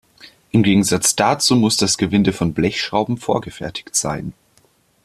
Im Gegensatz dazu muss das Gewinde von Blechschrauben vorgefertigt sein.